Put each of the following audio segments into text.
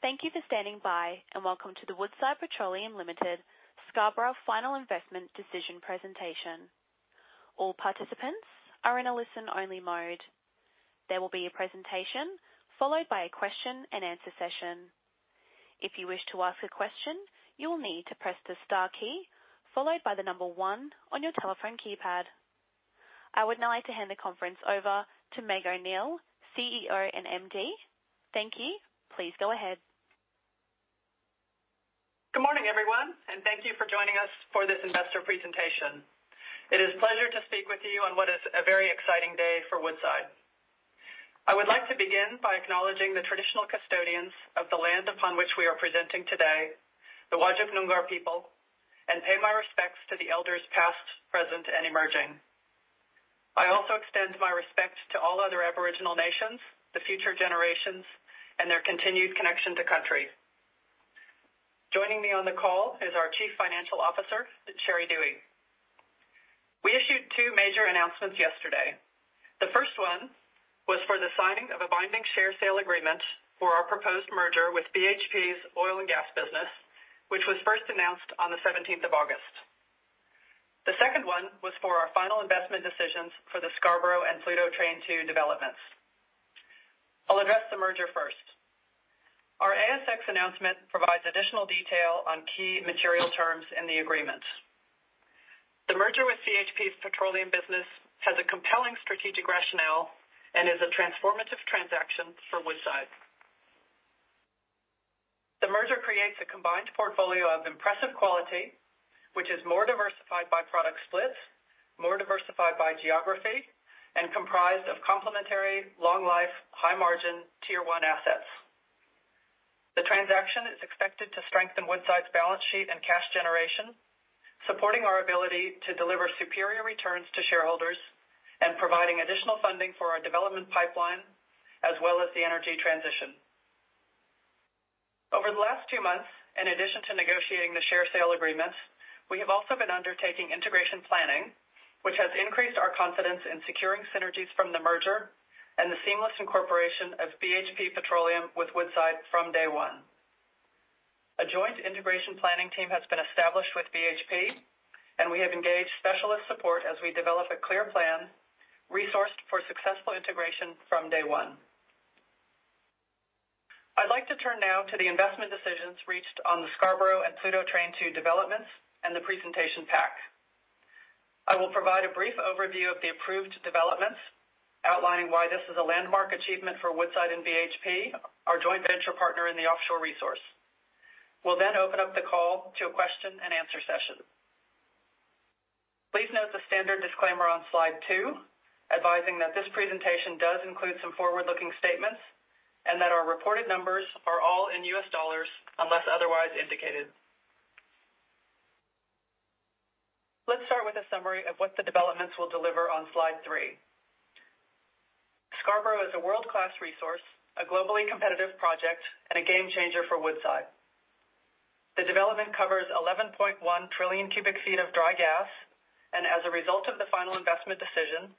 Thank you for standing by, and welcome to the Woodside Petroleum Limited Scarborough final investment decision presentation. All participants are in a listen-only mode. There will be a presentation followed by a question-and-answer session. If you wish to ask a question, you will need to press the star key followed by the number one on your telephone keypad. I would now like to hand the conference over to Meg O'Neill, CEO and MD. Thank you. Please go ahead. Good morning, everyone, and thank you for joining us for this investor presentation. It is a pleasure to speak with you on what is a very exciting day for Woodside. I would like to begin by acknowledging the traditional custodians of the land upon which we are presenting today, the Whadjuk Noongar people, and pay my respects to the elders past, present, and emerging. I also extend my respect to all other Aboriginal nations, the future generations, and their continued connection to country. Joining me on the call is our Chief Financial Officer, Sherry Duhe. We issued two major announcements yesterday. The first one was for the signing of a binding share sale agreement for our proposed merger with BHP's oil and gas business, which was first announced on the 17th of August. The second one was for our final investment decisions for the Scarborough and Pluto Train 2 developments. I'll address the merger first. Our ASX announcement provides additional detail on key material terms in the agreement. The merger with BHP's petroleum business has a compelling strategic rationale and is a transformative transaction for Woodside. The merger creates a combined portfolio of impressive quality, which is more diversified by product splits, more diversified by geography, and comprised of complementary long-life, high-margin tier one assets. The transaction is expected to strengthen Woodside's balance sheet and cash generation, supporting our ability to deliver superior returns to shareholders and providing additional funding for our development pipeline as well as the energy transition. Over the last two months, in addition to negotiating the share sale agreement, we have also been undertaking integration planning, which has increased our confidence in securing synergies from the merger and the seamless incorporation of BHP Petroleum with Woodside from day one. A joint integration planning team has been established with BHP, and we have engaged specialist support as we develop a clear plan resourced for successful integration from day one. I'd like to turn now to the investment decisions reached on the Scarborough and Pluto Train 2 developments and the presentation pack. I will provide a brief overview of the approved developments, outlining why this is a landmark achievement for Woodside and BHP, our joint venture partner in the offshore resource. We'll then open up the call to a question-and-answer session. Please note the standard disclaimer on slide two, advising that this presentation does include some forward-looking statements and that our reported numbers are all in US dollars unless otherwise indicated. Let's start with a summary of what the developments will deliver on slide three. Scarborough is a world-class resource, a globally competitive project, and a game-changer for Woodside. The development covers 11.1 trillion cubic feet of dry gas, and as a result of the final investment decision,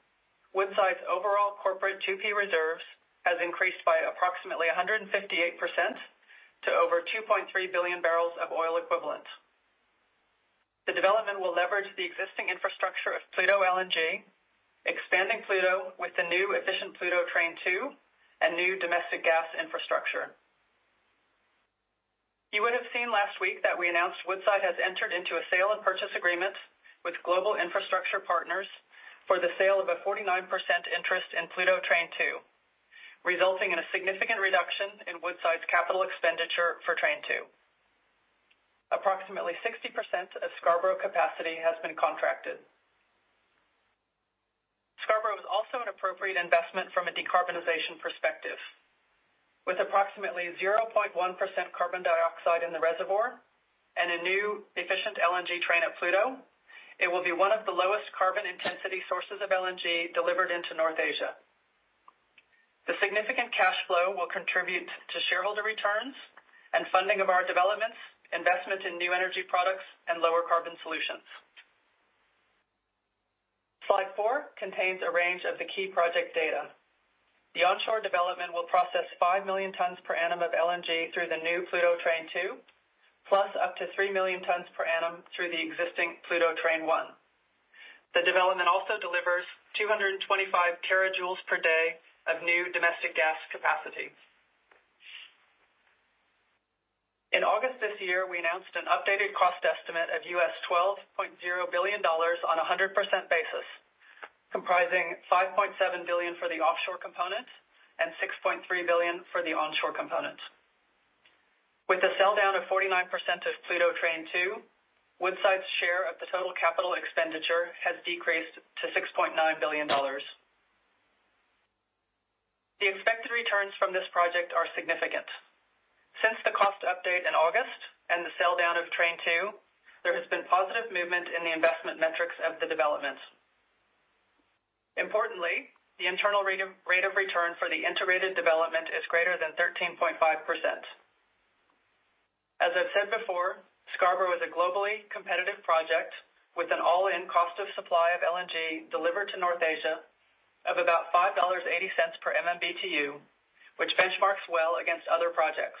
Woodside's overall corporate 2P reserves has increased by approximately 158% to over 2.3 billion barrels of oil equivalent. The development will leverage the existing infrastructure of Pluto LNG, expanding Pluto with the new efficient Pluto Train 2 and new domestic gas infrastructure. You would have seen last week that we announced Woodside has entered into a sale and purchase agreement with Global Infrastructure Partners for the sale of a 49% interest in Pluto Train 2, resulting in a significant reduction in Woodside's capital expenditure for Train 2. Approximately 60% of Scarborough capacity has been contracted. Scarborough is also an appropriate investment from a decarbonization perspective. With approximately 0.1% carbon dioxide in the reservoir and a new efficient LNG train at Pluto, it will be one of the lowest carbon intensity sources of LNG delivered into North Asia. The significant cash flow will contribute to shareholder returns and funding of our developments, investment in new energy products, and lower carbon solutions. Slide four contains a range of the key project data. The onshore development will process 5 million tons per annum of LNG through the new Pluto Train 2, plus up to 3 million tons per annum through the existing Pluto Train 1. The development also delivers 225 TJ per day of new domestic gas capacity. In August this year, we announced an updated cost estimate of $12.0 billion on a 100% basis, comprising $5.7 billion for the offshore component and $6.3 billion for the onshore component. With the sell down of 49% of Pluto Train 2, Woodside's share of the total capital expenditure has decreased to $6.9 billion. The expected returns from this project are significant. Since the cost update in August and the sell down of Train 2, there has been positive movement in the investment metrics of the developments. Importantly, the internal rate of return for the integrated development is greater than 13.5%. As I've said before, Scarborough is a globally competitive project with an all-in cost of supply of LNG delivered to North Asia of about $5.80 per MMBTU, which benchmarks well against other projects.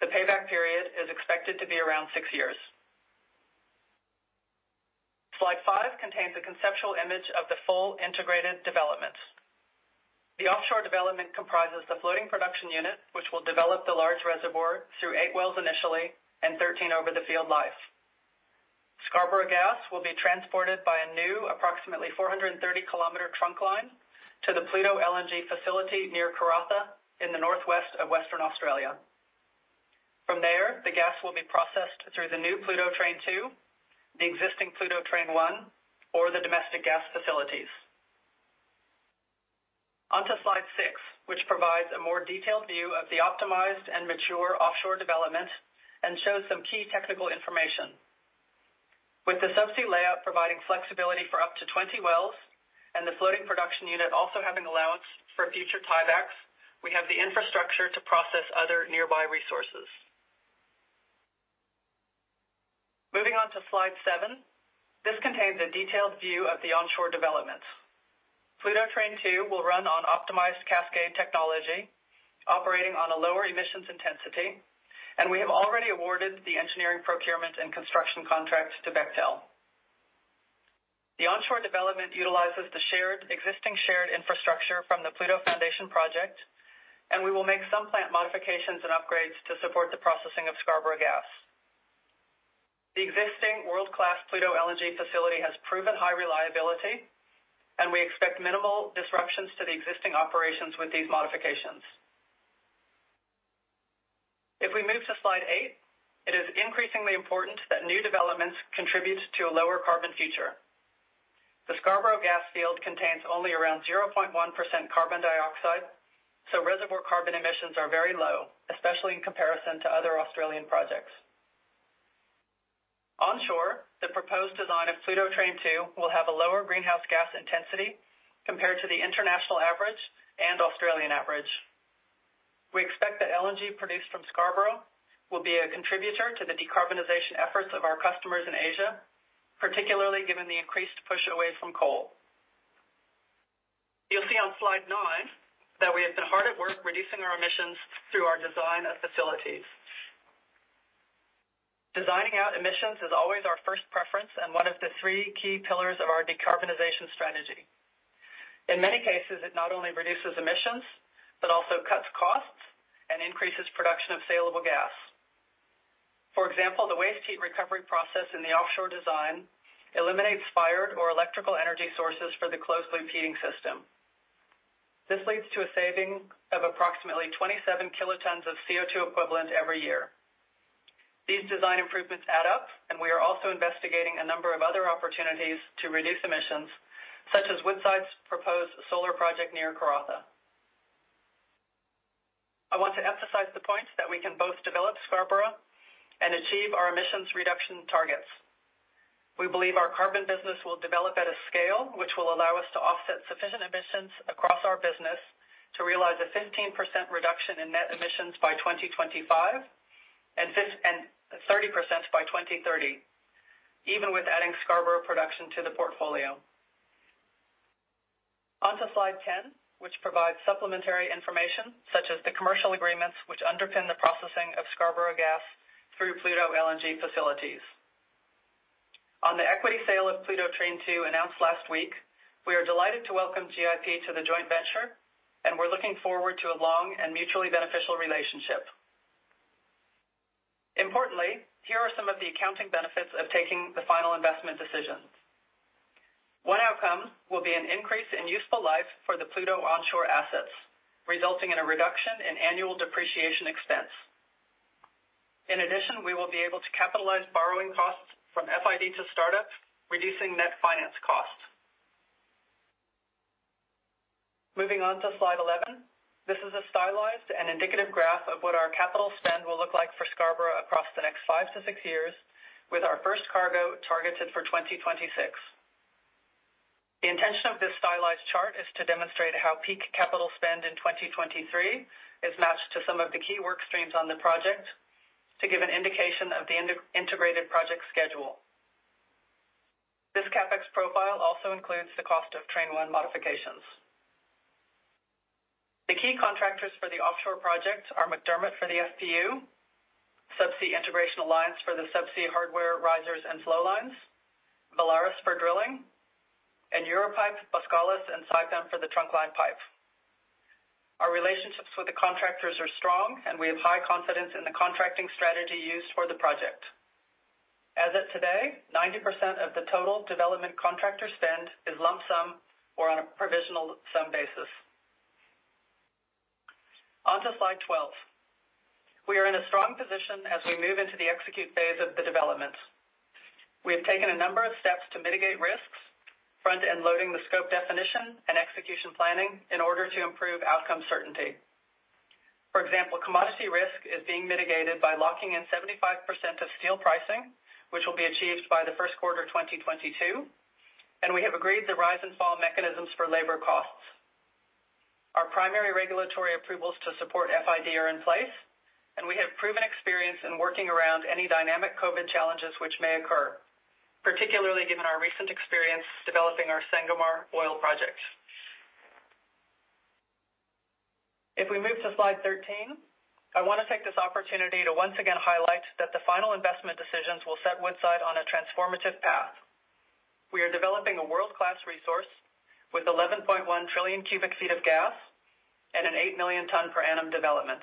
The payback period is expected to be around six years. Slide five contains a conceptual image of the full integrated development. The offshore development comprises the floating production unit, which will develop the large reservoir through eight wells initially and 13 over the field life. Scarborough gas will be transported by a new approximately 430 km trunk line to the Pluto LNG facility near Karratha in the northwest of Western Australia. From there, the gas will be processed through the new Pluto Train 2, the existing Pluto Train 1, or the domestic gas facilities. On to slide six, which provides a more detailed view of the optimized and mature offshore development and shows some key technical information. With the subsea layout providing flexibility for up to 20 wells and the floating production unit also having allowance for future tiebacks, we have the infrastructure to process other nearby resources. Moving on to slide seven. This contains a detailed view of the onshore development. Pluto Train 2 will run on Optimized Cascade operating on a lower emissions intensity, and we have already awarded the engineering procurement and construction contract to Bechtel. The onshore development utilizes the shared, existing infrastructure from the Pluto Foundation project, and we will make some plant modifications and upgrades to support the processing of Scarborough gas. The existing world-class Pluto LNG facility has proven high reliability, and we expect minimal disruptions to the existing operations with these modifications. If we move to slide eight, it is increasingly important that new developments contribute to a lower carbon future. The Scarborough gas field contains only around 0.1% carbon dioxide, so reservoir carbon emissions are very low, especially in comparison to other Australian projects. Onshore, the proposed design of Pluto Train 2 will have a lower greenhouse gas intensity compared to the international average and Australian average. We expect that LNG produced from Scarborough will be a contributor to the decarbonization efforts of our customers in Asia, particularly given the increased push away from coal. You'll see on slide nine that we have been hard at work reducing our emissions through our design of facilities. Designing out emissions is always our first preference and one of the three key pillars of our decarbonization strategy. In many cases, it not only reduces emissions, but also cuts costs and increases production of saleable gas. For example, the waste heat recovery process in the offshore design eliminates fired or electrical energy sources for the closed-loop heating system. This leads to a saving of approximately 27 kt of CO2 equivalent every year. These design improvements add up, and we are also investigating a number of other opportunities to reduce emissions, such as Woodside's proposed solar project near Karratha. I want to emphasize the point that we can both develop Scarborough and achieve our emissions reduction targets. We believe our carbon business will develop at a scale which will allow us to offset sufficient emissions across our business to realize a 15% reduction in net emissions by 2025 and 30% by 2030, even with adding Scarborough production to the portfolio. On to slide 10, which provides supplementary information such as the commercial agreements which underpin the processing of Scarborough gas through Pluto LNG facilities. On the equity sale of Pluto Train 2 announced last week, we are delighted to welcome GIP to the joint venture, and we're looking forward to a long and mutually beneficial relationship. Importantly, here are some of the accounting benefits of taking the final investment decisions. One outcome will be an increase in useful life for the Pluto onshore assets, resulting in a reduction in annual depreciation expense. In addition, we will be able to capitalize borrowing costs from FID to startup, reducing net finance costs. Moving on to slide 11. This is a stylized and indicative graph of what our capital spend will look like for Scarborough across the next five years, with our first cargo targeted for 2026. The intention of this stylized chart is to demonstrate how peak capital spend in 2023 is matched to some of the key work streams on the project to give an indication of the integrated project schedule. This CapEx profile also includes the cost of Train 1 modifications. The key contractors for the offshore project are McDermott for the FPU, Subsea Integration Alliance for the subsea hardware, risers and flowlines, Valaris for drilling, and EUROPIPE, Boskalis, and Saipem for the trunkline pipe. Our relationships with the contractors are strong, and we have high confidence in the contracting strategy used for the project. As of today, 90% of the total development contractor spend is lump sum or on a provisional sum basis. On to slide 12. We are in a strong position as we move into the execute phase of the development. We have taken a number of steps to mitigate risks, front-end loading the scope definition and execution planning in order to improve outcome certainty. For example, commodity risk is being mitigated by locking in 75% of steel pricing, which will be achieved by the first quarter 2022, and we have agreed to rise and fall mechanisms for labor costs. Primary regulatory approvals to support FID are in place, and we have proven experience in working around any dynamic COVID challenges which may occur, particularly given our recent experience developing our Sangomar oil project. If we move to slide 13, I wanna take this opportunity to once again highlight that the final investment decisions will set Woodside on a transformative path. We are developing a world-class resource with 11.1 trillion cubic feet of gas and an 8 million ton per annum development.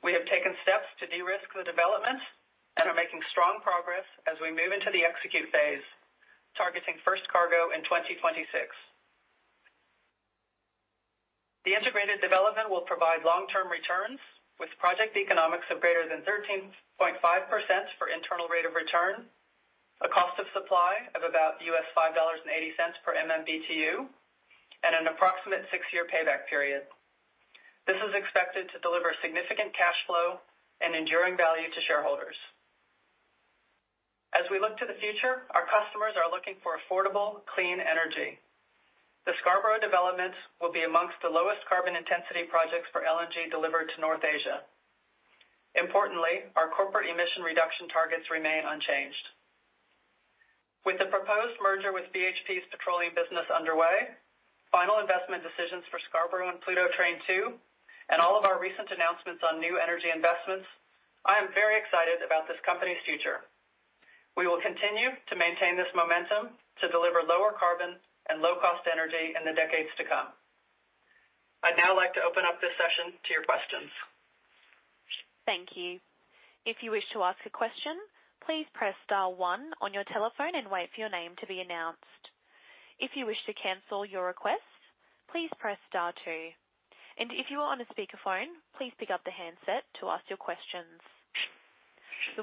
We have taken steps to de-risk the development and are making strong progress as we move into the execute phase, targeting first cargo in 2026. The integrated development will provide long-term returns with project economics of greater than 13.5% for internal rate of return, a cost of supply of about $5.80 per MMBTU, and an approximate six year payback period. This is expected to deliver significant cash flow and enduring value to shareholders. As we look to the future, our customers are looking for affordable, clean energy. The Scarborough development will be amongst the lowest carbon intensity projects for LNG delivered to North Asia. Importantly, our corporate emission reduction targets remain unchanged. With the proposed merger with BHP's petroleum business underway, final investment decisions for Scarborough and Pluto Train 2, and all of our recent announcements on new energy investments, I am very excited about this company's future. We will continue to maintain this momentum to deliver lower carbon and low-cost energy in the decades to come. I'd now like to open up this session to your questions. The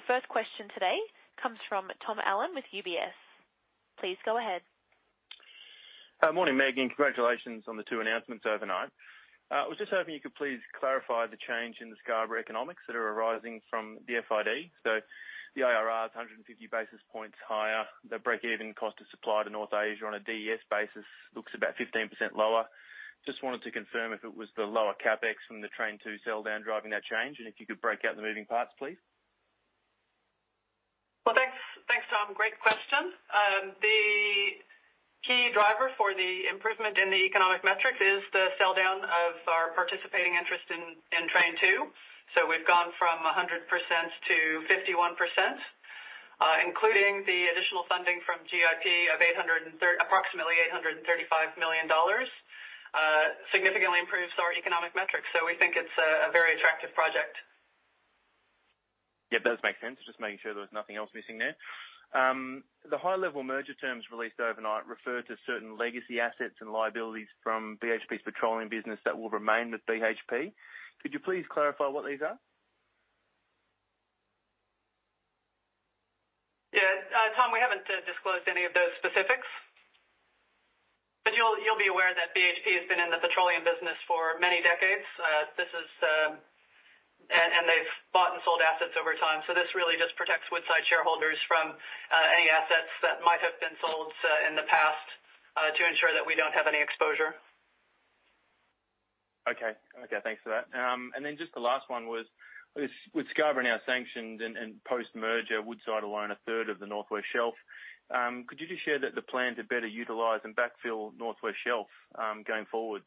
first question today comes from Tom Allen with UBS. Please go ahead. Morning, Meg, and congratulations on the two announcements overnight. I was just hoping you could please clarify the change in the Scarborough economics that are arising from the FID. The IRR is 150 basis points higher. The breakeven cost of supply to North Asia on a DES basis looks about 15% lower. Just wanted to confirm if it was the lower CapEx from the Train 2 sell down driving that change, and if you could break out the moving parts, please. Well, thanks. Thanks, Tom. Great question. The key driver for the improvement in the economic metrics is the sell down of our participating interest in Train 2. We've gone from 100% to 51%, including the additional funding from GIP of approximately $835 million, significantly improves our economic metrics. We think it's a very attractive project. Yeah, does make sense. Just making sure there was nothing else missing there. The high-level merger terms released overnight referred to certain legacy assets and liabilities from BHP's petroleum business that will remain with BHP. Could you please clarify what these are? Yeah. Tom, we haven't disclosed any of those specifics, but you'll be aware that BHP has been in the petroleum business for many decades. They've bought and sold assets over time. This really just protects Woodside shareholders from any assets that might have been sold in the past to ensure that we don't have any exposure. Okay, thanks for that. Then just the last one was, with Scarborough now sanctioned and post-merger, Woodside will own a third of the North West Shelf, could you just share the plan to better utilize and backfill North West Shelf going forward?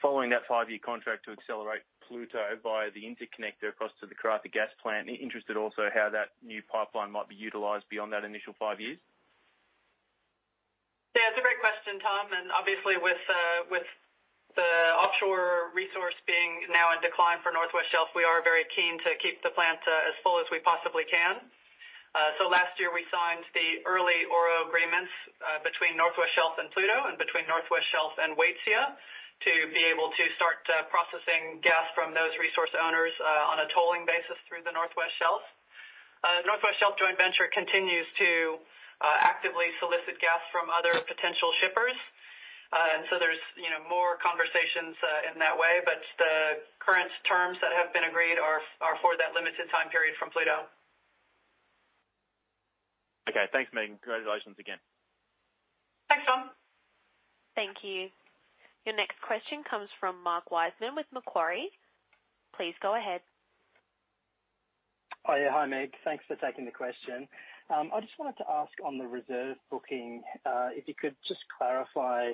Following that five-year contract to accelerate Pluto via the interconnector across to the Karratha gas plant, interested also how that new pipeline might be utilized beyond that initial five years. Yeah, it's a great question, Tom, and obviously with the offshore resource being now in decline for North West Shelf, we are very keen to keep the plant as full as we possibly can. Last year we signed the early ORO agreements between North West Shelf and Pluto and between North West Shelf and Waitsia to be able to start processing gas from those resource owners on a tolling basis through the North West Shelf. North West Shelf joint venture continues to actively solicit gas from other potential shippers. There's, you know, more conversations in that way, but the current terms that have been agreed are for that limited time period from Pluto. Okay. Thanks, Meg. Congratulations again. Thanks, Tom. Thank you. Your next question comes from Mark Wiseman with Macquarie. Please go ahead. Oh, yeah. Hi, Meg. Thanks for taking the question. I just wanted to ask on the reserve booking, if you could just clarify,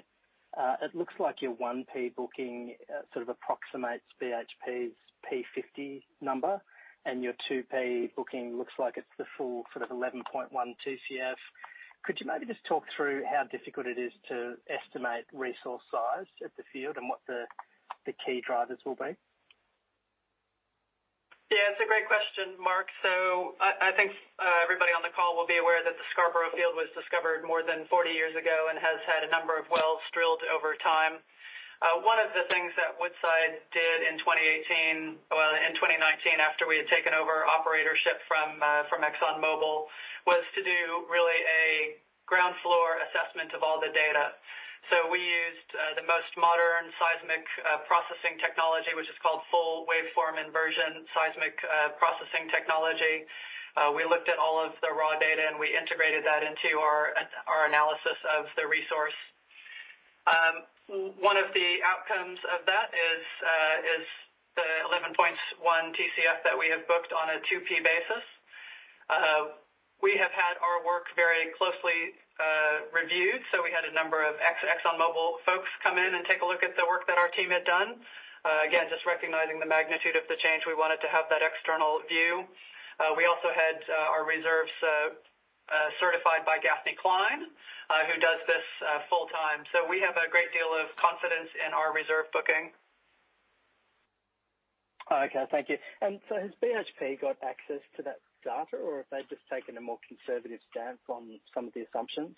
it looks like your 1P booking sort of approximates BHP's P50 number, and your 2P booking looks like it's the full sort of 11.2 TCF. Could you maybe just talk through how difficult it is to estimate resource size at the field and what the key drivers will be? Yeah, it's a great question, Mark. I think everybody on the call will be aware that the Scarborough field was discovered more than 40 years ago and has had a number of wells drilled over time. One of the things that Woodside did in 2019 after we had taken over operatorship from ExxonMobil was to do really a from the ground up assessment of all the data. We used the most modern seismic processing technology, which is called full waveform inversion seismic processing technology. We looked at all of the raw data, and we integrated that into our analysis of the resource. One of the outcomes of that is the 11.1 TCF that we have booked on a 2P basis. We have had our work very closely reviewed, so we had a number of ex-ExxonMobil folks come in and take a look at the work that our team had done. Again, just recognizing the magnitude of the change, we wanted to have that external view. We also had our reserves certified by Gaffney Cline, who does this full-time. We have a great deal of confidence in our reserve booking. Okay, thank you. Has BHP got access to that data or have they just taken a more conservative stance on some of the assumptions?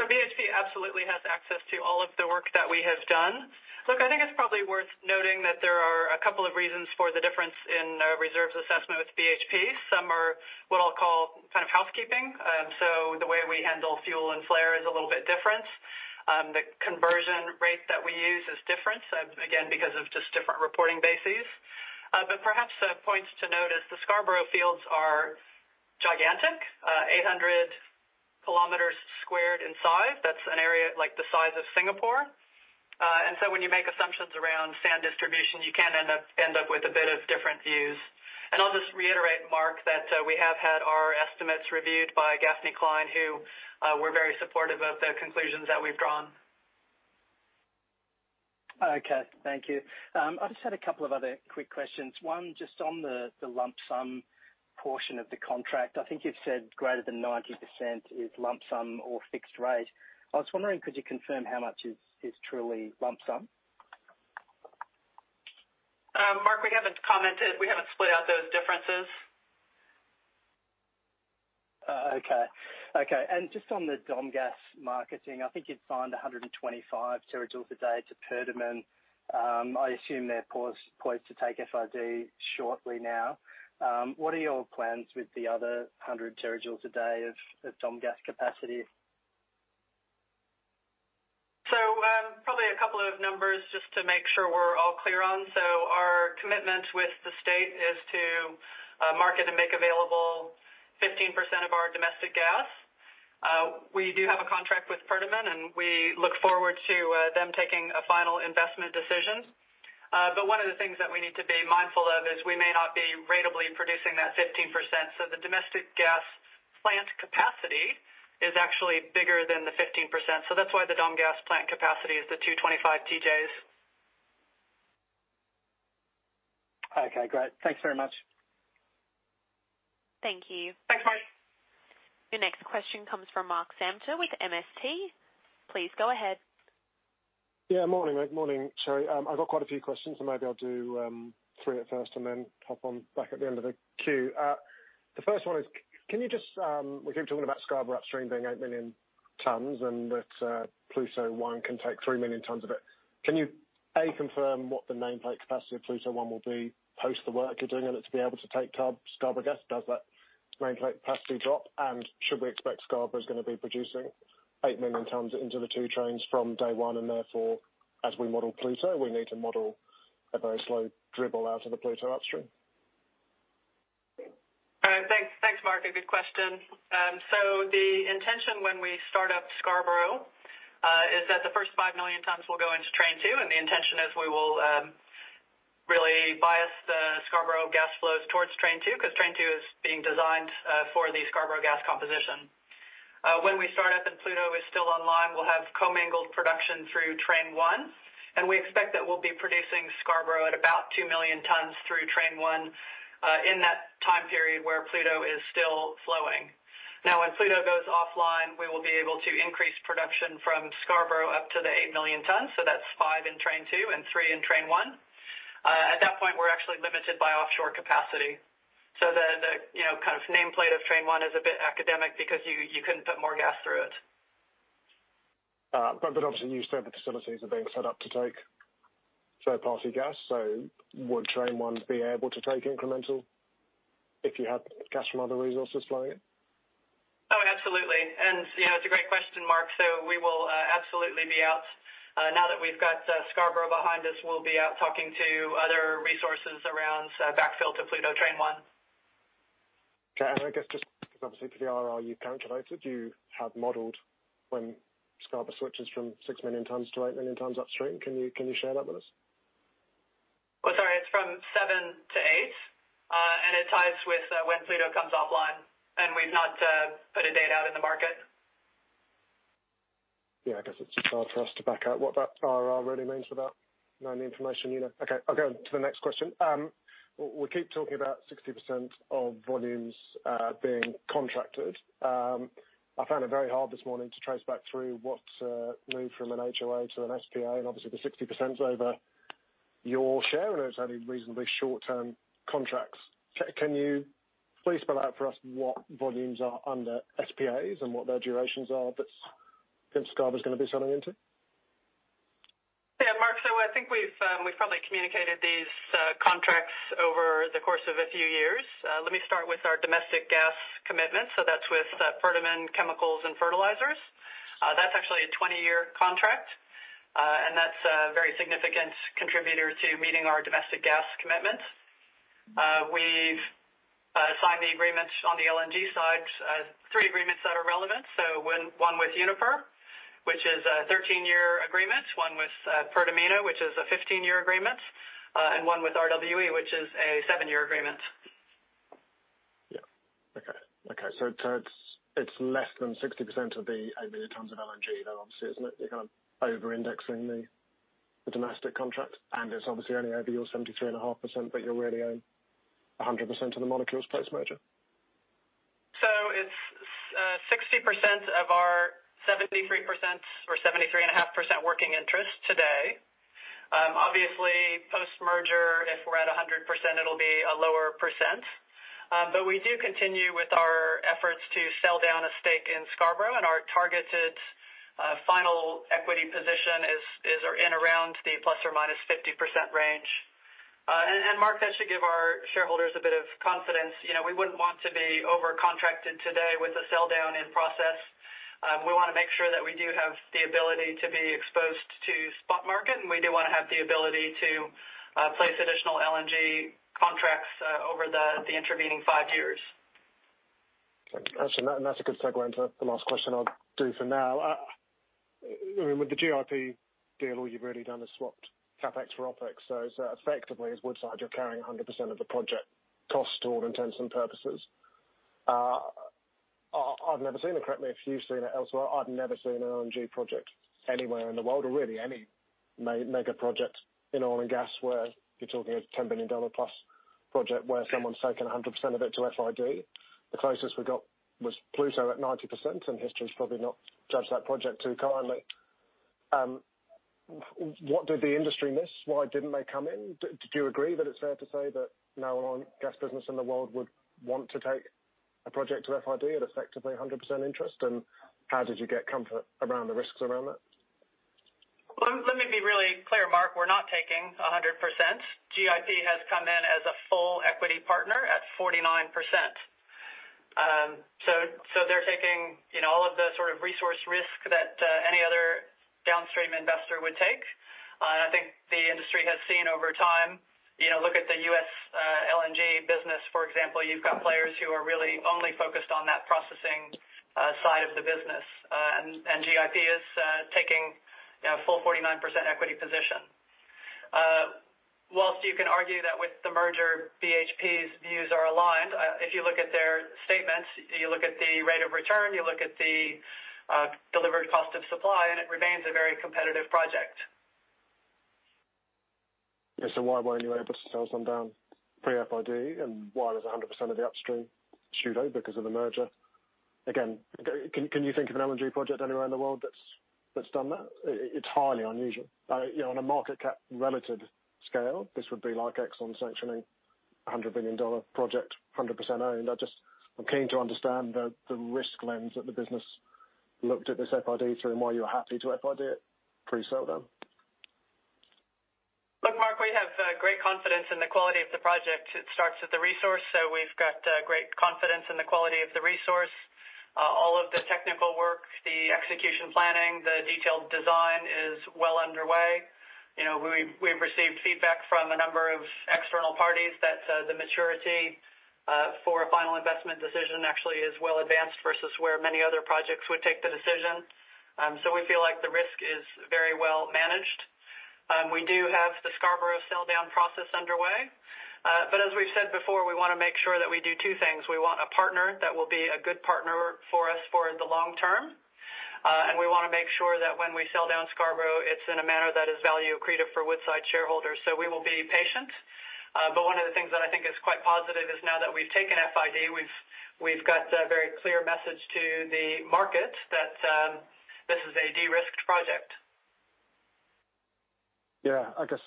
BHP absolutely has access to all of the work that we have done. Look, I think it's probably worth noting that there are a couple of reasons for the difference in our reserves assessment with BHP. Some are what I'll call kind of housekeeping. The way we handle fuel and flare is a little bit different. The conversion rate that we use is different, again, because of just different reporting bases. Perhaps the points to note is the Scarborough fields are gigantic, 800 sq km in size. That's an area like the size of Singapore. When you make assumptions around sand distribution, you can end up with a bit of different views. I'll just reiterate, Mark, that we have had our estimates reviewed by Gaffney Cline, who were very supportive of the conclusions that we've drawn. Okay, thank you. I just had a couple of other quick questions. One, just on the lump sum portion of the contract. I think you've said greater than 90% is lump sum or fixed rate. I was wondering, could you confirm how much is truly lump sum? Mark, we haven't commented. We haven't split out those differences. Okay. Just on the DomGas marketing, I think you'd signed 125 TJ a day to Perdaman. I assume they're poised to take FID shortly now. What are your plans with the other 100 TJ a day of DomGas capacity? Probably a couple of numbers just to make sure we're all clear on. Our commitment with the state is to market and make available 15% of our domestic gas. We do have a contract with Perdaman, and we look forward to them taking a final investment decision. One of the things that we need to be mindful of is we may not be ratably producing that 15%. The domestic gas plant capacity is actually bigger than the 15%. That's why the DomGas plant capacity is the 225 TJs. Okay, great. Thanks very much. Thank you. Thanks, Mark. Your next question comes from Mark Samter with MST. Please go ahead. Yeah, morning, Sherry. I've got quite a few questions, so maybe I'll do three at first and then hop on back at the end of the queue. The first one is, can you just, we keep talking about Scarborough upstream being 8 million tons and that Pluto 1 can take 3 million tons of it. Can you, A, confirm what the nameplate capacity of Pluto One will be post the work you're doing on it to be able to take Scarborough gas? Does that nameplate capacity drop? And should we expect Scarborough is gonna be producing 8 million tons into the two trains from day one, and therefore, as we model Pluto, we need to model a very slow dribble out of the Pluto upstream? Thanks. Thanks, Mark. A good question. The intention when we start up Scarborough is that the first 5 million tons will go into Train 2, and the intention is we will really bias the Scarborough gas flows towards Train 2 'cause Train 2 is being designed for the Scarborough gas composition. When we start up and Pluto is still online, we'll have commingled production through Train 1, and we expect that we'll be producing Scarborough at about 2 million tons through Train 1 in that time period where Pluto is still flowing. Now, when Pluto goes offline, we will be able to increase production from Scarborough up to the 8 million tons. So that's five in Train 2 and three in Train 1. At that point, we're actually limited by offshore capacity. The, you know, kind of nameplate of Train 1 is a bit academic because you couldn't put more gas through it. Obviously new set of facilities are being set up to take third-party gas. Would Train 1 be able to take incremental if you had gas from other resources flowing in? Oh, absolutely. You know, it's a great question, Mark. We will absolutely be out. Now that we've got Scarborough behind us, we'll be out talking to other resources around gas backfill to Pluto Train 1. Okay. I guess just 'cause obviously for the IRR you've calculated, you had modeled when Scarborough switches from 6 million tons to 8 million tons upstream. Can you share that with us? Sorry, it's from seven to eight, and it ties with when Pluto comes offline, and we've not put a date out in the market. Yeah, I guess it's just hard for us to back out what that RR really means without knowing the information you know. Okay, I'll go to the next question. We keep talking about 60% of volumes being contracted. I found it very hard this morning to trace back through what moved from an HOA to an SPA, and obviously the 60% is over your share, and it's only reasonably short-term contracts. Can you please spell out for us what volumes are under SPAs and what their durations are that Scarborough's gonna be selling into? Yeah, Mark, I think we've probably communicated these contracts over the course of a few years. Let me start with our domestic gas commitment, that's with Perdaman Chemicals and Fertilisers. That's actually a 20-year contract, and that's a very significant contributor to meeting our domestic gas commitment. We've signed the agreements on the LNG side, three agreements that are relevant. One with Uniper, which is a 13-year agreement, one with Pertamina, which is a 15-year agreement, and one with RWE, which is a seven year agreement. It's less than 60% of the 8 million tons of LNG, though, obviously, isn't it? You're kind of over-indexing the domestic contract. It's obviously only over your 73.5%, but you really own 100% of the molecules post-merger. It's 60% of our 73% or 73.5% working interest today. Obviously, post-merger, if we're at 100%, it'll be a lower percent. We do continue with our efforts to sell down a stake in Scarborough, and our targeted final equity position is in around the ±50% range. Mark, that should give our shareholders a bit of confidence. You know, we wouldn't want to be over-contracted today with a sell down in process. We wanna make sure that we do have the ability to be exposed to spot market, and we do wanna have the ability to place additional LNG contracts over the intervening five years. Okay. Actually, that's a good segue into the last question I'll do for now. I mean, with the GIP deal, all you've really done is swapped CapEx for OpEx. Effectively, as Woodside, you're carrying 100% of the project costs to all intents and purposes. I've never seen it, correct me if you've seen it elsewhere. I've never seen an LNG project anywhere in the world or really any mega project in oil and gas where you're talking a $10 billion plus project where someone's taking 100% of it to FID. The closest we got was Pluto at 90%, and history's probably not judged that project too kindly. What did the industry miss? Why didn't they come in? Did you agree that it's fair to say that no oil and gas business in the world would want to take a project to FID at effectively 100% interest? How did you get comfort around the risks around that? Well, let me be really clear, Mark. We're not taking 100%. GIP has come in as a full equity partner at 49%. So they're taking, you know, all of the sort of resource risk that any other downstream investor would take. And I think the industry has seen over time, you know, look at the U.S., LNG business, for example, you've got players who are really only focused on that processing side of the business. And GIP is taking a full 49% equity position. While you can argue that with the merger, BHP's views are aligned, if you look at their statements, you look at the rate of return, you look at the delivered cost of supply, and it remains a very competitive project. Yeah. Why weren't you able to sell some down pre-FID, and why was 100% of the upstream equity because of the merger? Again, can you think of an LNG project anywhere in the world that's done that? It's highly unusual. You know, on a market cap relative scale, this would be like Exxon sanctioning a $100 billion project, 100% owned. I'm keen to understand the risk lens that the business looked at this FID through and why you were happy to FID it pre-sell down. Look, Mark, we have great confidence in the quality of the project. It starts with the resource, so we've got great confidence in the quality of the resource. All of the technical work, the execution planning, the detailed design is well underway. You know, we've received feedback from a number of external parties that the maturity for a final investment decision actually is well advanced versus where many other projects would take the decision. We feel like the risk is very well managed. We do have the Scarborough sell down process underway. As we've said before, we wanna make sure that we do two things. We want a partner that will be a good partner for us for the long term, and we wanna make sure that when we sell down Scarborough, it's in a manner that is value accretive for Woodside shareholders. We will be patient. One of the things that I think is quite positive is now that we've taken FID, we've got a very clear message to the market that this is a de-risked project. Yeah. I guess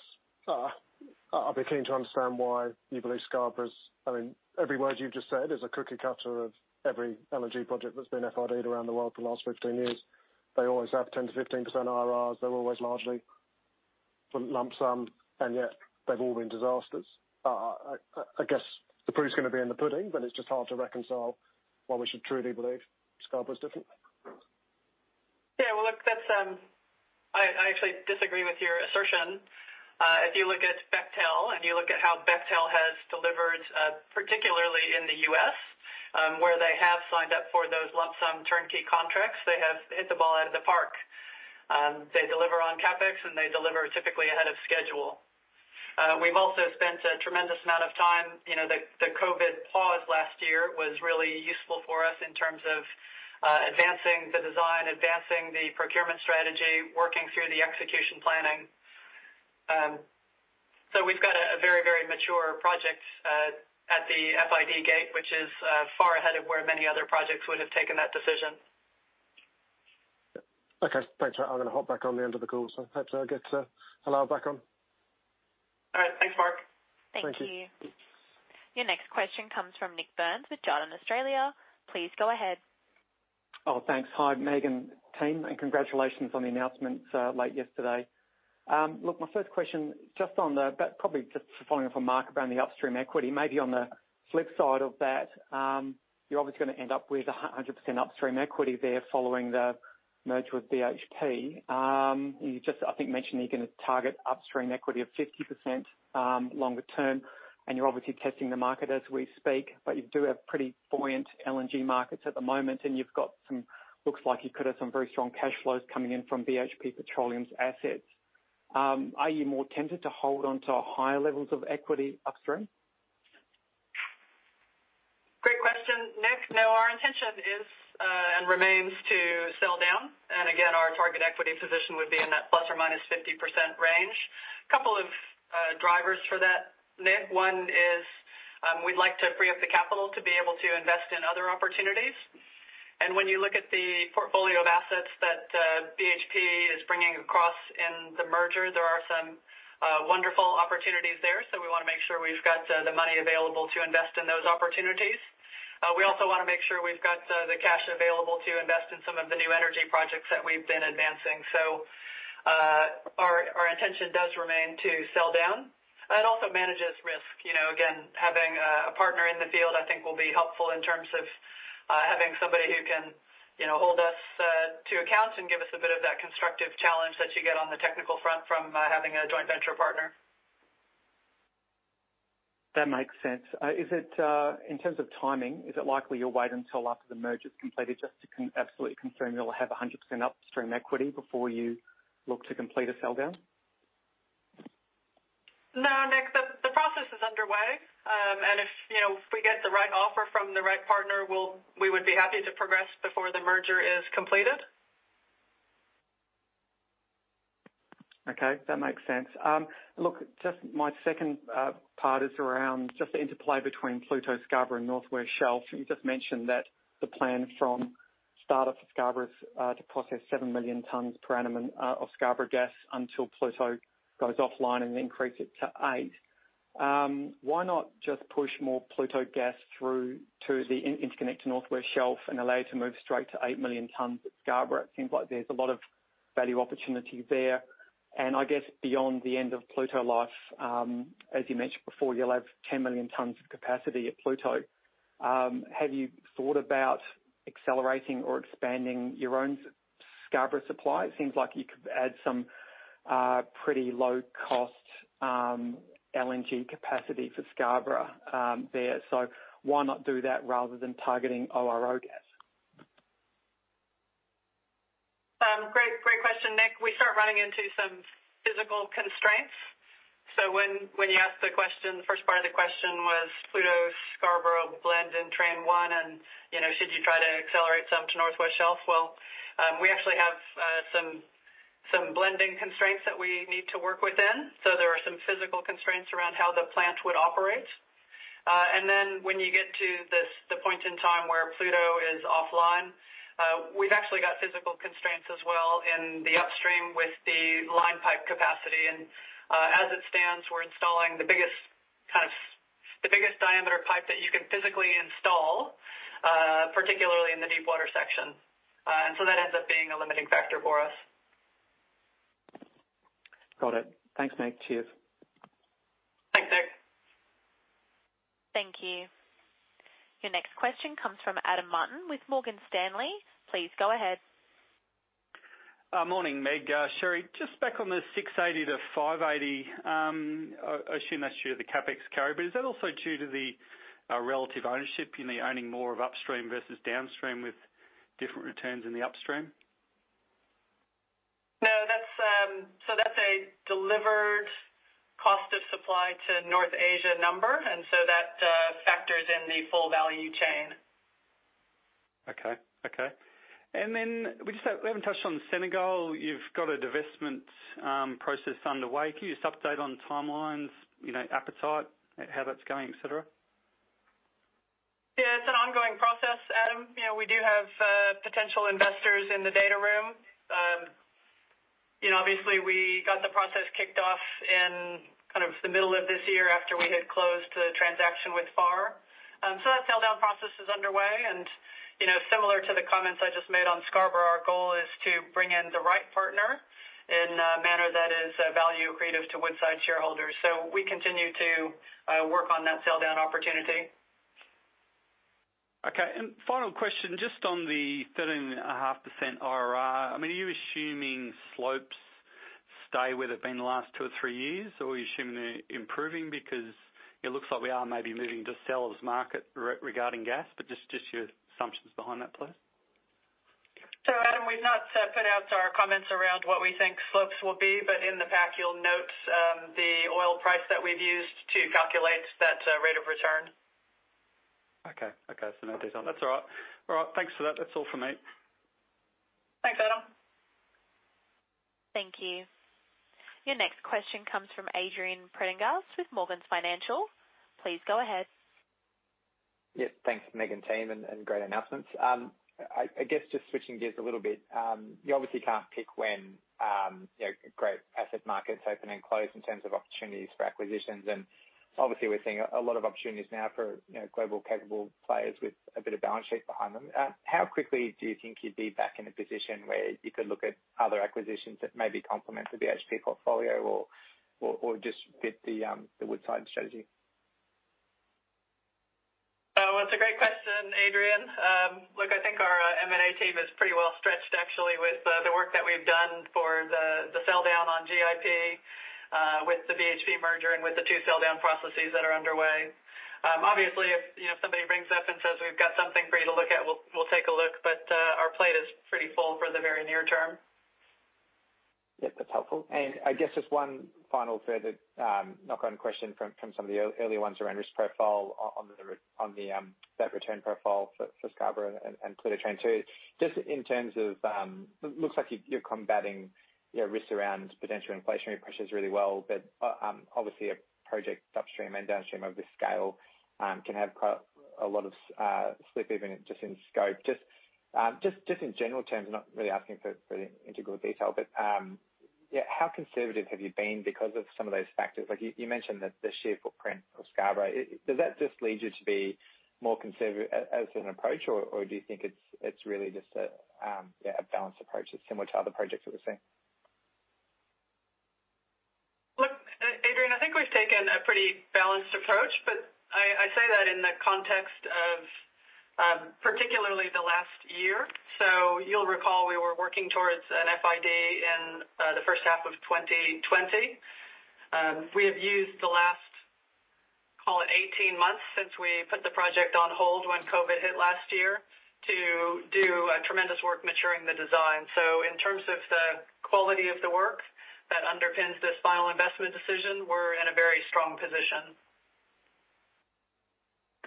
I'll be keen to understand why you believe Scarborough's. I mean, every word you've just said is a cookie cutter of every LNG project that's been FID around the world for the last 15 years. They always have 10%-15% IRRs. They're always largely lump sum, and yet they've all been disasters. I guess the proof's gonna be in the pudding, but it's just hard to reconcile why we should truly believe Scarborough's different. Yeah. Well, look, that's. I actually disagree with your assertion. If you look at Bechtel and you look at how Bechtel has delivered, particularly in the U.S., where they have signed up for those lump sum turnkey contracts, they have hit the ball out of the park. They deliver on CapEx, and they deliver typically ahead of schedule. We've also spent a tremendous amount of time. You know, the COVID pause last year was really useful for us in terms of advancing the design, advancing the procurement strategy, working through the execution planning. So we've got a very, very mature project at the FID gate, which is far ahead of where many other projects would have taken that decision. Okay. Thanks. I'm gonna hop back on the end of the call, so perhaps I'll get Alain back on. All right. Thanks, Mark. Thank you. Thank you. Your next question comes from Nik Burns with Jarden Australia. Please go ahead. Oh, thanks. Hi, Megan, team, and congratulations on the announcement late yesterday. Look, my first question, probably just following up on Mark around the upstream equity. Maybe on the flip side of that, you're obviously gonna end up with 100% upstream equity there following the merge with BHP. You just, I think mentioned you're gonna target upstream equity of 50% longer term, and you're obviously testing the market as we speak, but you do have pretty buoyant LNG markets at the moment, and looks like you could have some very strong cash flows coming in from BHP Petroleum's assets. Are you more tempted to hold on to higher levels of equity upstream? Great question, Nick. No, our intention is and remains to sell down. Again, our target equity position would be in that ±50% range. Couple of drivers for that, Nick. One is, we'd like to free up the capital to be able to invest in other opportunities. When you look at the portfolio of assets that BHP is bringing across in the merger, there are some wonderful opportunities there, so we wanna make sure we've got the money available to invest in those opportunities. We also wanna make sure we've got the cash available to invest in some of the new energy projects that we've been advancing. Our intention does remain to sell down. It also manages risk. You know, again, having a partner in the field, I think, will be helpful in terms of having somebody who can, you know, hold us to account and give us a bit of that constructive challenge that you get on the technical front from having a joint venture partner. That makes sense. Is it, in terms of timing, is it likely you'll wait until after the merger is completed just to absolutely confirm you'll have 100% upstream equity before you look to complete a sell-down? No, Nick. The process is underway. If, you know, if we get the right offer from the right partner, we would be happy to progress before the merger is completed. Okay. That makes sense. Look, just my second part is around just the interplay between Pluto, Scarborough, and North West Shelf. You just mentioned that the plan from startup for Scarborough is to process 7 million tons per annum of Scarborough gas until Pluto goes offline and increase it to 8. Why not just push more Pluto gas through to the interconnect to North West Shelf and allow it to move straight to 8 million tons at Scarborough? It seems like there's a lot of value opportunity there. I guess beyond the end of Pluto life, as you mentioned before, you'll have 10 million tons of capacity at Pluto. Have you thought about accelerating or expanding your own Scarborough supply? It seems like you could add some pretty low cost LNG capacity for Scarborough there. Why not do that rather than targeting ORO gas? Great question, Nick. We start running into some physical constraints. When you ask the question, the first part of the question was Pluto, Scarborough blend in Train 1 and, you know, should you try to accelerate some to North West Shelf? We actually have some blending constraints that we need to work within. There are some physical constraints around how the plant would operate. When you get to the point in time where Pluto is offline, we've actually got physical constraints as well in the upstream with the line pipe capacity. As it stands, we're installing the biggest diameter pipe that you can physically install, particularly in the deep water section. That ends up being a limiting factor for us. Got it. Thanks, Meg. Cheers. Thanks, Nik. Thank you. Your next question comes from Adam Martin with Morgan Stanley. Please go ahead. Morning, Meg, Sherry. Just back on the 6.8%-5.8%, I assume that's due to the CapEx carry, but is that also due to the relative ownership in owning more of upstream versus downstream with different returns in the upstream? No, that's a delivered cost of supply to North Asia number, and so that factors in the full value chain. Okay. We haven't touched on Senegal. You've got a divestment process underway. Can you just update on timelines, you know, appetite, how that's going, et cetera? Yeah, it's an ongoing process, Adam. You know, we do have potential investors in the data room. You know, obviously, we got the process kicked off in kind of the middle of this year after we had closed the transaction with FAR. That sell-down process is underway. You know, similar to the comments I just made on Scarborough, our goal is to bring in the right partner in a manner that is value accretive to Woodside shareholders. We continue to work on that sell-down opportunity. Okay. Final question, just on the 13.5% IRR, I mean, are you assuming slopes stay where they've been the last two or three years, or are you assuming they're improving? Because it looks like we are maybe moving to seller's market regarding gas, but just your assumptions behind that, please. Adam, we've not put out our comments around what we think slopes will be, but in the back, you'll note the oil price that we've used to calculate that rate of return. Okay. No detail. That's all right. All right. Thanks for that. That's all for me. Thanks, Adam. Thank you. Your next question comes from Adrian Prendergast with Morgans Financial. Please go ahead. Yes, thanks, Meg and team, and great announcements. I guess just switching gears a little bit, you obviously can't pick when you know great asset markets open and close in terms of opportunities for acquisitions. Obviously, we're seeing a lot of opportunities now for you know global capable players with a bit of balance sheet behind them. How quickly do you think you'd be back in a position where you could look at other acquisitions that maybe complement the BHP portfolio or just fit the Woodside strategy? It's a great question, Adrian. Look, I think our M&A team is pretty well stretched, actually, with the work that we've done for the sell down on GIP, with the BHP merger and with the two sell down processes that are underway. Obviously, if you know, if somebody rings up and says, "We've got something for you to look at," we'll take a look, but our plate is pretty full for the very near term. Yeah, that's helpful. I guess just one final further knock-on question from some of the earlier ones around risk profile on the that return profile for Scarborough and Pluto Train 2. Just in terms of looks like you're combating, you know, risk around potential inflationary pressures really well. Obviously a project upstream and downstream of this scale can have a lot of slip even just in scope. Just in general terms, I'm not really asking for the internal detail, but yeah, how conservative have you been because of some of those factors? Like you mentioned that the sheer footprint of Scarborough. Does that just lead you to be more conservative as an approach? Do you think it's really just a balanced approach that's similar to other projects that we're seeing? Look, Adrian, I think we've taken a pretty balanced approach, but I say that in the context of particularly the last year. You'll recall we were working towards an FID in the first half of 2020. We have used the last, call it 18 months since we put the project on hold when COVID hit last year to do tremendous work maturing the design. In terms of the quality of the work that underpins this final investment decision, we're in a very strong position.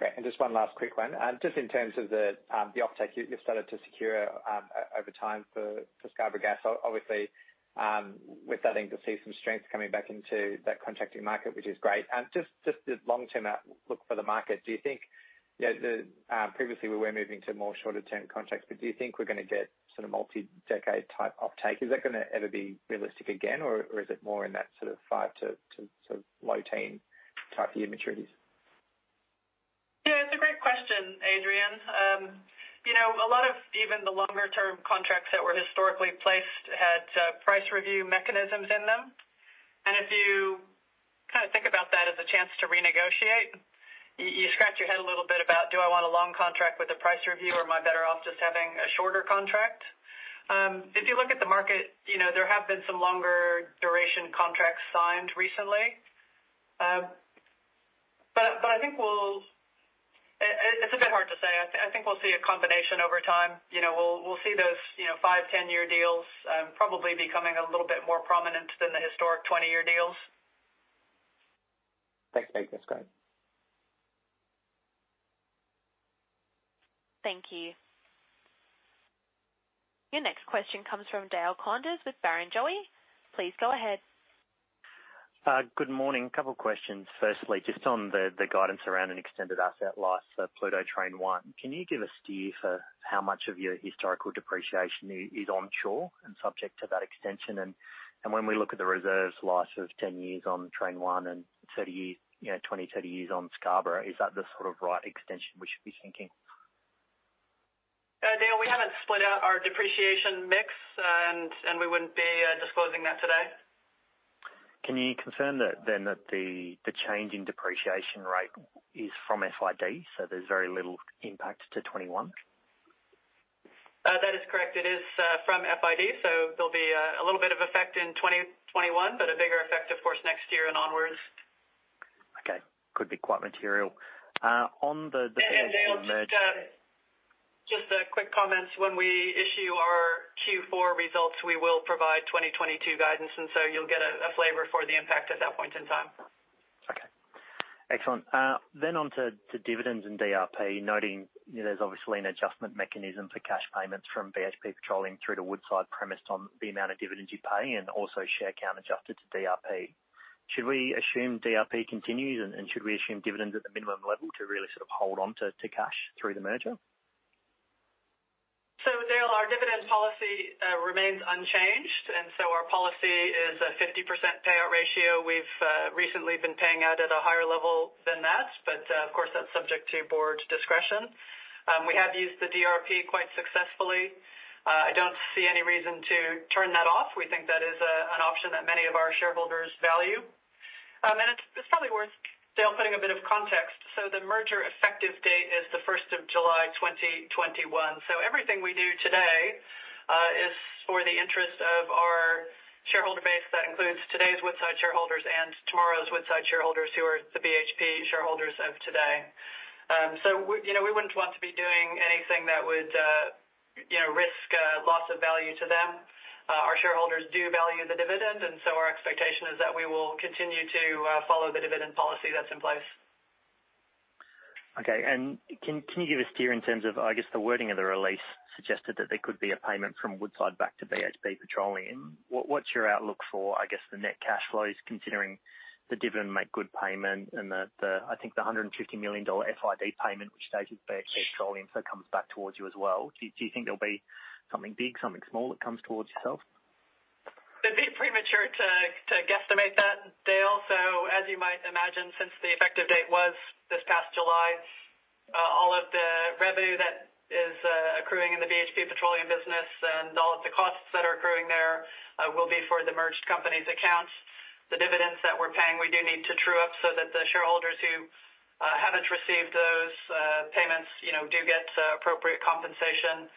Great. Just one last quick one. Just in terms of the offtake you've started to secure over time for Scarborough gas, obviously, we're starting to see some strength coming back into that contracting market, which is great. Just the long-term outlook for the market, do you think, you know, previously we were moving to more short-term contracts, but do you think we're gonna get sort of multi-decade type offtake? Is that gonna ever be realistic again, or is it more in that sort of 5 to sort of low-teens type year maturities? Yeah, it's a great question, Adrian. You know, a lot of even the longer term contracts that were historically placed had price review mechanisms in them. If you kinda think about that as a chance to renegotiate, you scratch your head a little bit about, do I want a long contract with a price review or am I better off just having a shorter contract? If you look at the market, you know, there have been some longer duration contracts signed recently. I think it's a bit hard to say. I think we'll see a combination over time. You know, we'll see those, you know, five, 10-year deals, probably becoming a little bit more prominent than the historic 20-year deals. Thanks. That's great. Thank you. Your next question comes from Dale Koenders with Barrenjoey. Please go ahead. Good morning. A couple questions. Firstly, just on the guidance around an extended asset life, so Pluto Train 1. Can you give a steer for how much of your historical depreciation is onshore and subject to that extension? And when we look at the reserves life of 10 years on Train 1 and 30 years, you know, 20, 30 years on Scarborough, is that the sort of right extension we should be thinking? Dale, we haven't split out our depreciation mix, and we wouldn't be disclosing that today. Can you confirm that then that the change in depreciation rate is from FID, so there's very little impact to 2021? That is correct. It is from FID. There'll be a little bit of effect in 2021, but a bigger effect, of course, next year and onwards. Okay. Could be quite material. Dale, just a quick comment. When we issue our Q4 results, we will provide 2022 guidance, and so you'll get a flavor for the impact at that point in time. Okay. Excellent. On to dividends and DRP. Noting there's obviously an adjustment mechanism for cash payments from BHP Petroleum through to Woodside, premised on the amount of dividends you pay and also share count adjusted to DRP. Should we assume DRP continues? Should we assume dividends at the minimum level to really sort of hold on to cash through the merger? Dale, our dividend policy remains unchanged, and so our policy is a 50% payout ratio. We've recently been paying out at a higher level than that, but, of course, that's subject to board discretion. We have used the DRP quite successfully. I don't see any reason to turn that off. We think that is an option that many of our shareholders value. It's probably worth, Dale, putting a bit of context. The merger effective date is the first of July 2021. Everything we do today is for the interest of our shareholder base. That includes today's Woodside shareholders and tomorrow's Woodside shareholders, who are the BHP shareholders of today. We, you know, wouldn't want to be doing anything that would, you know, risk loss of value to them. Our shareholders do value the dividend, and so our expectation is that we will continue to follow the dividend policy that's in place. Okay. Can you give a steer in terms of, I guess the wording of the release suggested that there could be a payment from Woodside back to BHP Petroleum. What's your outlook for, I guess, the net cash flows, considering the dividend make good payment and the I think $150 million FID payment which stays with BHP Petroleum, so comes back towards you as well. Do you think there'll be something big, something small that comes towards yourself? It'd be premature to guesstimate that, Dale. As you might imagine, since the effective date was this past July, all of the revenue that BHP Petroleum business and all of the costs that are accruing there will be for the merged company's accounts. The dividends that we're paying, we do need to true up so that the shareholders who haven't received those payments, you know, do get appropriate compensation.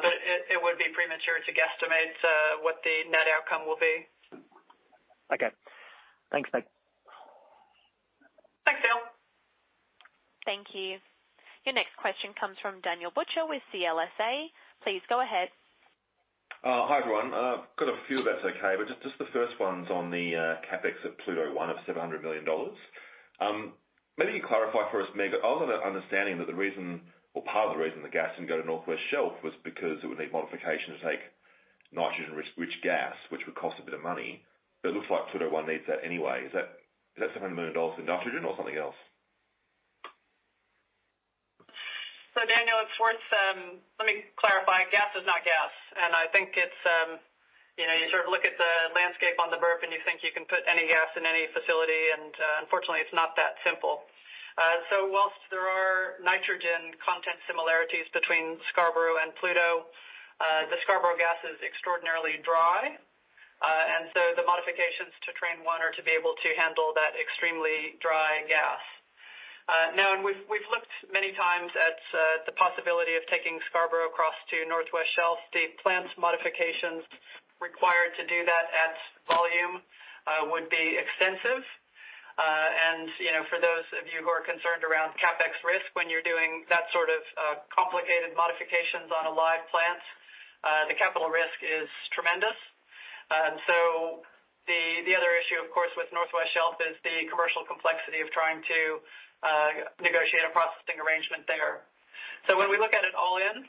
But it would be premature to guesstimate what the net outcome will be. Okay. Thanks, Meg. Thanks, Dale Koenders. Thank you. Your next question comes from Daniel Butcher with CLSA. Please go ahead. Hi, everyone. Got a few, if that's okay. Just the first one's on the CapEx of Pluto 1 of $700 million. Maybe you clarify for us, Meg. I was under the understanding that the reason or part of the reason the gas didn't go to Northwest Shelf was because it would need modification to take nitrogen rich gas, which would cost a bit of money. It looks like Pluto 1 needs that anyway. Is that $700 million in nitrogen or something else? Daniel, it's worth. Let me clarify. Gas is not gas, and I think it's you know, you sort of look at the landscape on the Burrup, and you think you can put any gas in any facility, and unfortunately, it's not that simple. Whilst there are nitrogen content similarities between Scarborough and Pluto, the Scarborough gas is extraordinarily dry. The modifications to Train 1 are to be able to handle that extremely dry gas. We've looked many times at the possibility of taking Scarborough across to North West Shelf. The plants modifications required to do that at volume would be extensive. You know, for those of you who are concerned around CapEx risk when you're doing that sort of complicated modifications on a live plant, the capital risk is tremendous. The other issue, of course, with NorthWest Shelf is the commercial complexity of trying to negotiate a processing arrangement there. When we look at it all in,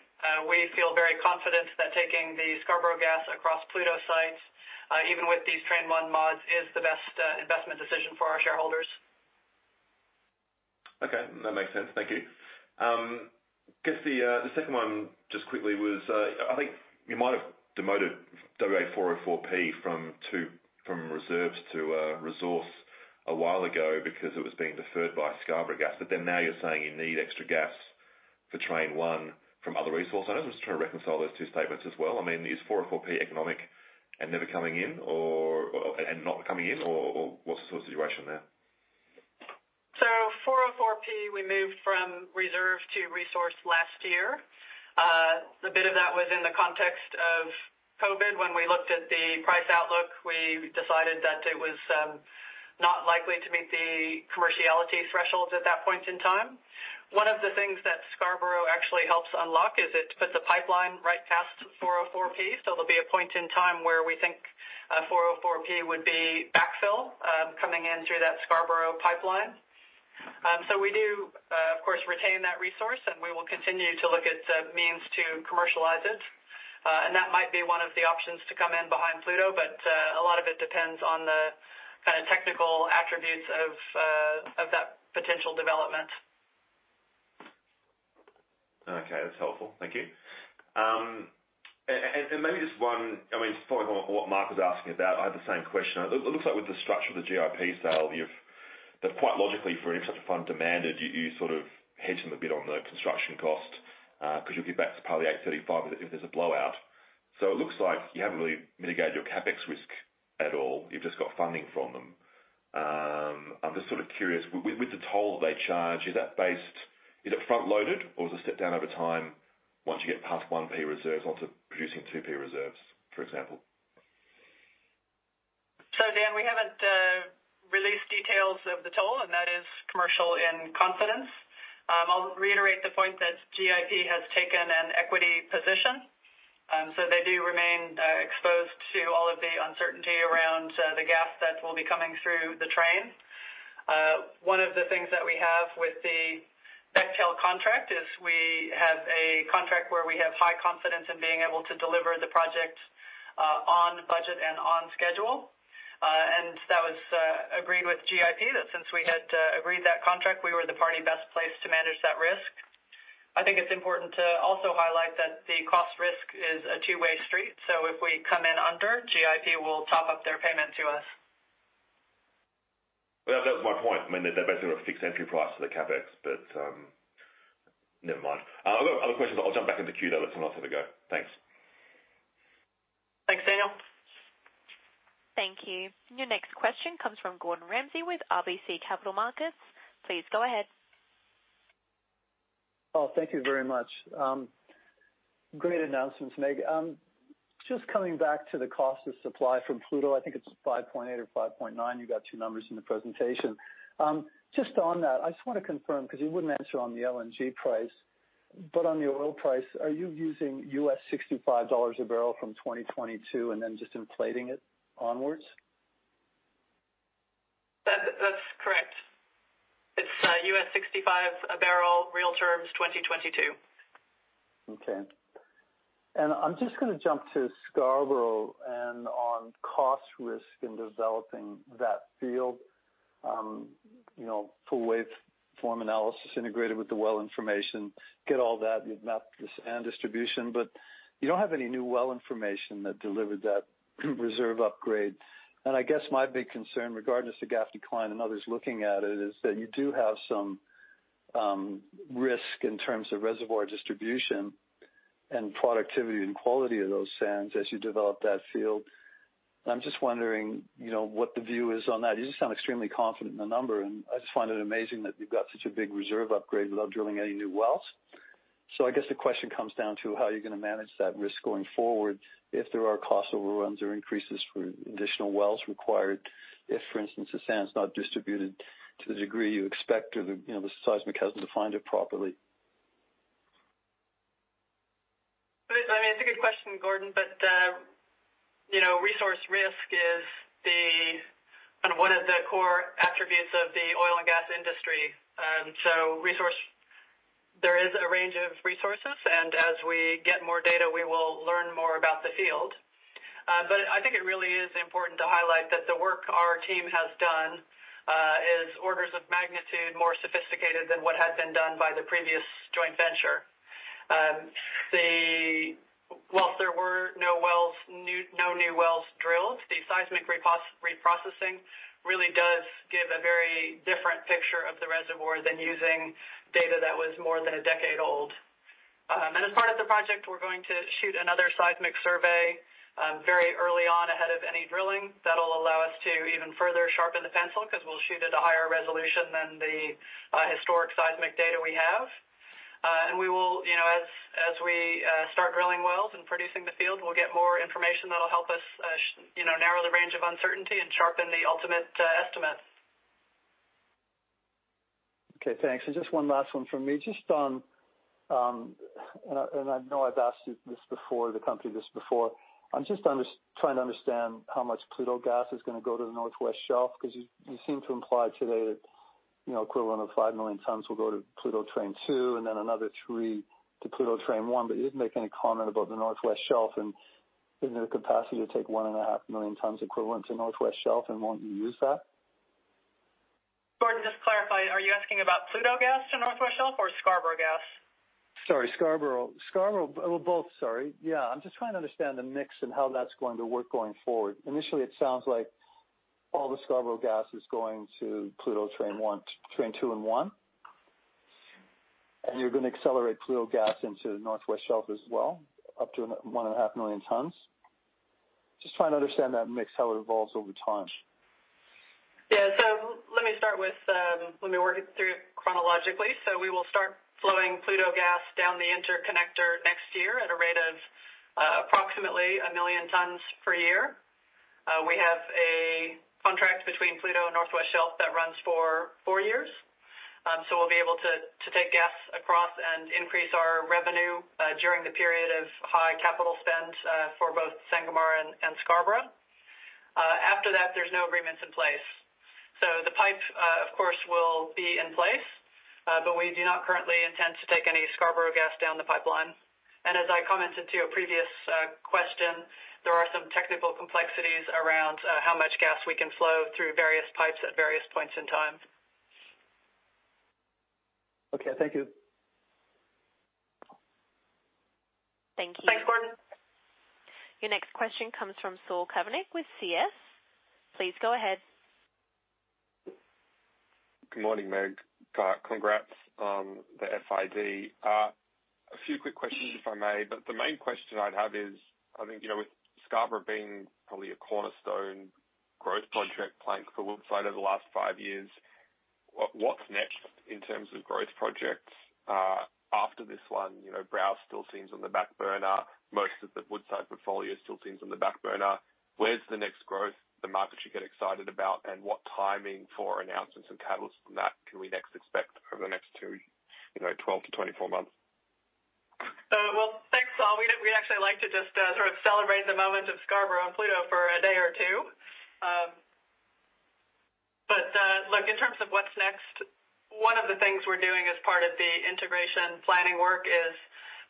we feel very confident that taking the Scarborough gas across Pluto sites, even with these Train 1 mods, is the best investment decision for our shareholders. Okay, that makes sense. Thank you. Guess the second one, just quickly, was, I think you might have demoted WA-404-P from reserves to resource a while ago because it was being deferred by Scarborough gas. Then now you're saying you need extra gas for Train 1 from other resource centers. I'm just trying to reconcile those two statements as well. I mean, is 404P economic and never coming in or and not coming in or what's the sort of situation there? 404P, we moved from reserve to resource last year. A bit of that was in the context of COVID. When we looked at the price outlook, we decided that it was not likely to meet the commerciality thresholds at that point in time. One of the things that Scarborough actually helps unlock is it puts a pipeline right past 404P. There'll be a point in time where we think 404P would be backfill coming in through that Scarborough pipeline. We do, of course, retain that resource, and we will continue to look at means to commercialize it. That might be one of the options to come in behind Pluto, but a lot of it depends on the kinda technical attributes of that potential development. Okay. That's helpful. Thank you. And maybe just one. I mean, following on what Mark was asking about, I have the same question. It looks like with the structure of the GIP sale, that quite logically for an infrastructure fund demanded, you sort of hedge them a bit on the construction cost, because you'll give back probably $835 if there's a blowout. So it looks like you haven't really mitigated your CapEx risk at all. You've just got funding from them. I'm just sort of curious, with the toll they charge, is that based. Is it front-loaded or does it step down over time once you get past 1P reserves onto producing 2P reserves, for example? Dan, we haven't released details of the toll, and that is commercial in confidence. I'll reiterate the point that GIP has taken an equity position. They do remain exposed to all of the uncertainty around the gas that will be coming through the train. One of the things that we have with the Bechtel contract is we have a contract where we have high confidence in being able to deliver the project on budget and on schedule. That was agreed with GIP, that since we had agreed that contract, we were the party best placed to manage that risk. I think it's important to also highlight that the cost risk is a two-way street. If we come in under, GIP will top up their payment to us. Well, that was my point. I mean, they basically have a fixed entry price for the CapEx, but, never mind. I've got other questions. I'll jump back into queue, though. Let someone else have a go. Thanks. Thanks, Daniel. Thank you. Your next question comes from Gordon Ramsay with RBC Capital Markets. Please go ahead. Oh, thank you very much. Great announcements, Meg. Just coming back to the cost of supply from Pluto, I think it's $5.8 or $5.9. You got two numbers in the presentation. Just on that, I just wanna confirm, 'cause you wouldn't answer on the LNG price, but on the oil price, are you using U.S. $65 a barrel from 2022 and then just inflating it onwards? That's correct. It's $65 a barrel real terms 2022. Okay. I'm just gonna jump to Scarborough and on cost risk in developing that field. You know, full waveform inversion integrated with the well information, get all that. You've mapped the sand distribution, but you don't have any new well information that delivered that reserve upgrade. I guess my big concern, regardless of gas decline and others looking at it, is that you do have some risk in terms of reservoir distribution and productivity and quality of those sands as you develop that field. I'm just wondering, you know, what the view is on that. You just sound extremely confident in the number, and I just find it amazing that you've got such a big reserve upgrade without drilling any new wells. I guess the question comes down to how you're gonna manage that risk going forward if there are cost overruns or increases for additional wells required, if, for instance, the sand's not distributed to the degree you expect or the, you know, the seismic hasn't defined it properly. I mean, it's a good question, Gordon, resource risk is kind of one of the core attributes of the oil and gas industry. Resource, there is a range of resources, and as we get more data, we will learn more about the field. I think it really is important to highlight that the work our team has done is orders of magnitude more sophisticated than what had been done by the previous joint venture. Whilst there were no wells, no new wells drilled, the seismic reprocessing really does give a very different picture of the reservoir than using data that was more than a decade old. As part of the project, we're going to shoot another seismic survey very early on ahead of any drilling. That'll allow us to even further sharpen the pencil 'cause we'll shoot at a higher resolution than the historic seismic data we have. We will, you know, as we start drilling wells and producing the field, we'll get more information that'll help us you know, narrow the range of uncertainty and sharpen the ultimate estimates. Okay, thanks. Just one last one from me. Just on, I know I've asked you this before. I'm just trying to understand how much Pluto gas is gonna go to the North West Shelf, 'cause you seem to imply today that, you know, equivalent of 5 million tons will go to Pluto Train 2 and then another three to Pluto Train 1, but you didn't make any comment about the North West Shelf and isn't there capacity to take 1.5 million tons equivalent to North West Shelf, and won't you use that? Gordon, just to clarify, are you asking about Pluto gas to North West Shelf or Scarborough gas? Sorry, Scarborough. Well, both, sorry. Yeah, I'm just trying to understand the mix and how that's going to work going forward. Initially, it sounds like all the Scarborough gas is going to Pluto Train 1, Train 2 and 1. You're gonna accelerate Pluto gas into North West Shelf as well, up to 1.5 million tons. Just trying to understand that mix, how it evolves over time. Yeah. Let me start with. Let me work through it chronologically. We will start flowing Pluto gas down the interconnector next year at a rate of approximately 1 million tons per year. We have a contract between Pluto and North West Shelf that runs for four years. We'll be able to take gas across and increase our revenue during the period of high capital spend for both Sangomar and Scarborough. After that, there's no agreements in place. The pipe, of course, will be in place, but we do not currently intend to take any Scarborough gas down the pipeline. As I commented to your previous question, there are some technical complexities around how much gas we can flow through various pipes at various points in time. Okay. Thank you. Thank you. Thanks, Gordon. Your next question comes from Saul Kavonic with CS. Please go ahead. Good morning, Meg. Congrats on the FID. A few quick questions, if I may. The main question I'd have is, I think, you know, with Scarborough being probably a cornerstone growth project plank for Woodside over the last five years, what's next in terms of growth projects after this one? You know, Browse still seems on the back burner. Most of the Woodside portfolio still seems on the back burner. Where's the next growth the market should get excited about, and what timing for announcements and catalysts from that can we next expect over the next two, you know, 12-24 months? Well, thanks, Saul. We'd actually like to just sort of celebrate the moment of Scarborough and Pluto for a day or two. Look, in terms of what's next, one of the things we're doing as part of the integration planning work is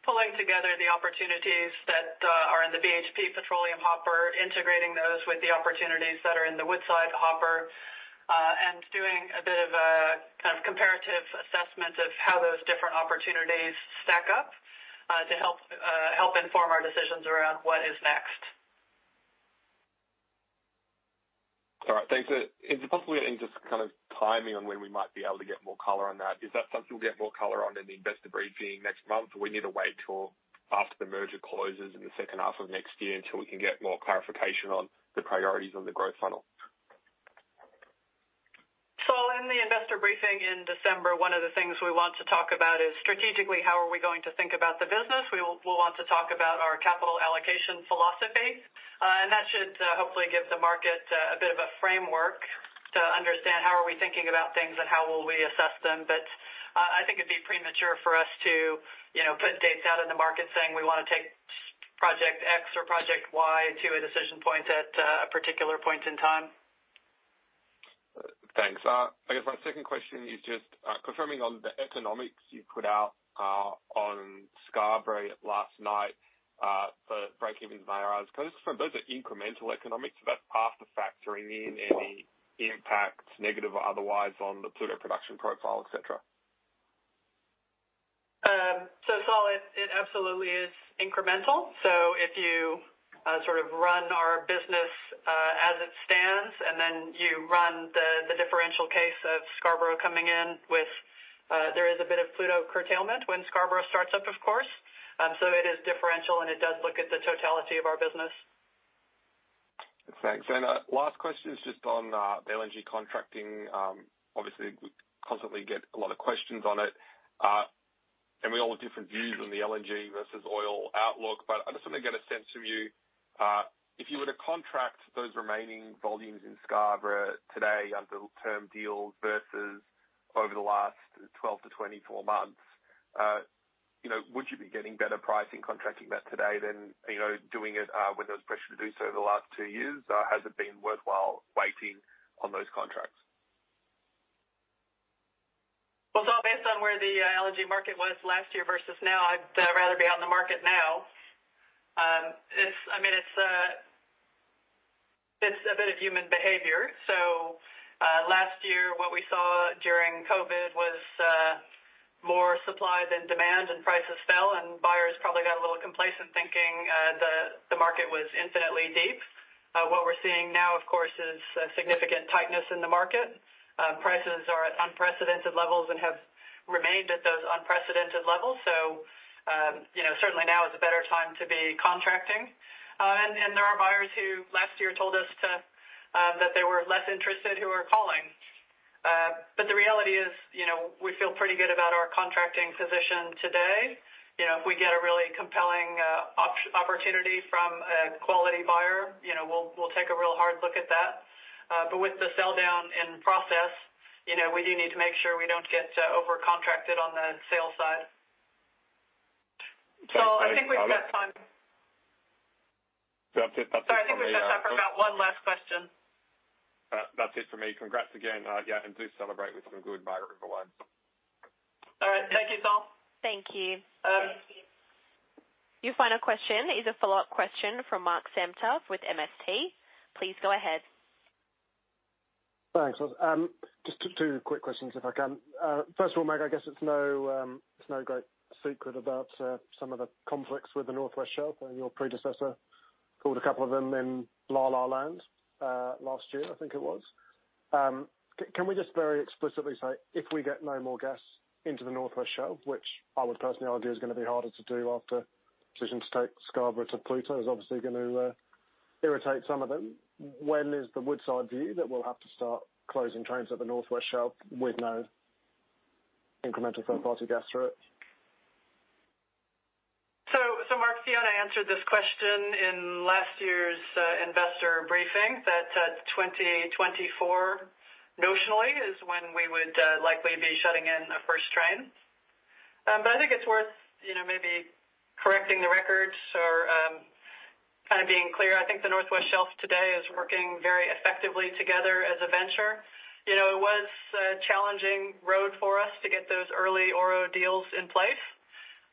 pulling together the opportunities that are in the BHP Petroleum hopper, integrating those with the opportunities that are in the Woodside hopper, and doing a bit of a kind of comparative assessment of how those different opportunities stack up to help inform our decisions around what is next. All right. Thanks. Is it possible to get any just kind of timing on when we might be able to get more color on that? Is that something we'll get more color on in the investor briefing next month? We need to wait till after the merger closes in the second half of next year until we can get more clarification on the priorities on the growth funnel? Saul, in the investor briefing in December, one of the things we want to talk about is strategically, how are we going to think about the business. We'll want to talk about our capital allocation philosophy. That should hopefully give the market a bit of a framework to understand how are we thinking about things and how will we assess them. I think it'd be premature for us to, you know, put dates out in the market saying we wanna take Project X or Project Y to a decision point at a particular point in time. Thanks. I guess my second question is just confirming on the economics you put out on Scarborough last night for break-evens and MIRRs. Can I just confirm, those are incremental economics, but after factoring in any impacts, negative or otherwise, on the Pluto production profile, et cetera? Saul, it absolutely is incremental. If you sort of run our business as it stands, and then you run the differential case of Scarborough coming in with there is a bit of Pluto curtailment when Scarborough starts up, of course. It is differential, and it does look at the totality of our business. Thanks. Last question is just on the LNG contracting. Obviously we constantly get a lot of questions on it, and we all have different views on the LNG versus oil outlook. But I just want to get a sense from you, if you were to contract those remaining volumes in Scarborough today under term deals versus over the last 12-24 months, you know, would you be getting better pricing contracting that today than, you know, doing it, when there was pressure to do so in the last 2 years? Has it been worthwhile waiting on those contracts? Well, based on where the LNG market was last year versus now, I'd rather be out in the market now. I mean, it's a bit of human behavior. Last year, what we saw during COVID was more supply than demand and prices fell, and buyers probably got a little complacent thinking the market was infinitely deep. What we're seeing now, of course, is a significant tightness in the market. Prices are at unprecedented levels and have remained at those unprecedented levels. You know, certainly now is a better time to be contracting. And there are buyers who last year told us that they were less interested who are calling. But the reality is, you know, we feel pretty good about our contracting position today. You know, if we get a really compelling opportunity from a quality buyer, you know, we'll take a real hard look at that. With the sell down in process, you know, we do need to make sure we don't get over-contracted on the sales side. I think we've got time. That's it. That's it for me. Sorry. I think we've got time for about one last question. That's it for me. Congrats again. Yeah, and do celebrate with some good margaritas. All right. Thank you, Saul. Thank you. Your final question is a follow-up question from Mark Samter with MST. Please go ahead. Thanks. Just two quick questions, if I can. First of all, Meg, I guess it's no great secret about some of the conflicts with the North West Shelf, and your predecessor called a couple of them in La La Land last year, I think it was. Can we just very explicitly say if we get no more gas into the North West Shelf, which I would personally argue is gonna be harder to do after decision to take Scarborough to Pluto is obviously gonna irritate some of them. When is the Woodside view that we'll have to start closing trains at the North West Shelf with no incremental third-party gas through it? Mark, Fiona answered this question in last year's investor briefing that 2024 notionally is when we would likely be shutting in a first train. I think it's worth you know maybe correcting the records or kind of being clear. I think the North West Shelf today is working very effectively together as a venture. It was a challenging road for us to get those early ORO deals in place.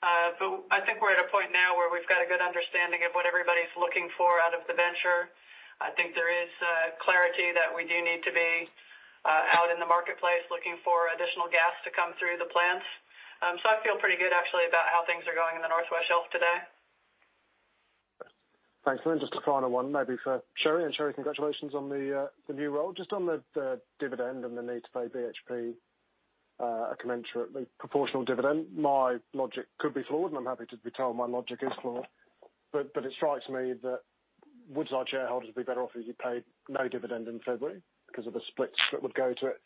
I think we're at a point now where we've got a good understanding of what everybody's looking for out of the venture. I think there is clarity that we do need to be out in the marketplace looking for additional gas to come through the plants. I feel pretty good actually about how things are going in the North West Shelf today. Thanks. Just a final one maybe for Sherry. Sherry, congratulations on the new role. Just on the dividend and the need to pay BHP a commensurate proportional dividend. My logic could be flawed, and I'm happy to be told my logic is flawed, but it strikes me that would our shareholders be better off if you paid no dividend in February because of the split that would go to it?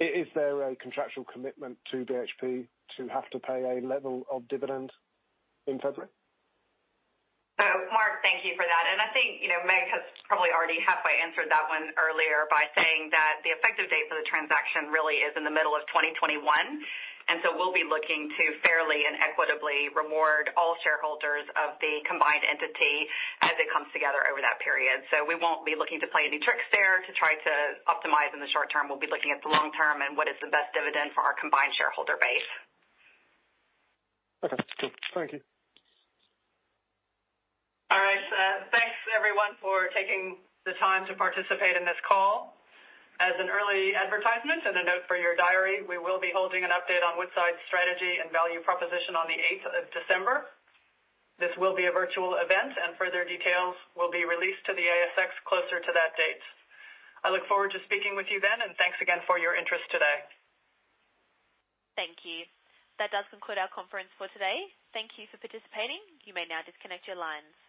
Is there a contractual commitment to BHP to have to pay a level of dividend in February? Mark, thank you for that. I think, you know, Meg has probably already halfway answered that one earlier by saying that the effective date for the transaction really is in the middle of 2021, and so we'll be looking to fairly and equitably reward all shareholders of the combined entity as it comes together over that period. We won't be looking to play any tricks there to try to optimize in the short term. We'll be looking at the long term and what is the best dividend for our combined shareholder base. Okay. Cool. Thank you. All right. Thanks everyone for taking the time to participate in this call. As an early advertisement and a note for your diary, we will be holding an update on Woodside's strategy and value proposition on the eighth of December. This will be a virtual event, and further details will be released to the ASX closer to that date. I look forward to speaking with you then, and thanks again for your interest today. Thank you. That does conclude our conference for today. Thank you for participating. You may now disconnect your lines.